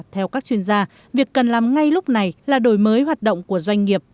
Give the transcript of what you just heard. theo các chuyên gia việc cần làm ngay lúc này là đổi mới hoạt động của doanh nghiệp